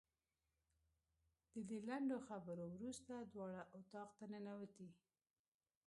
د دې لنډو خبرو وروسته دواړه اتاق ته ننوتې.